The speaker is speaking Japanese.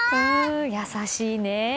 優しいね。